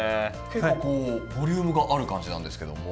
結構こうボリュームがある感じなんですけども。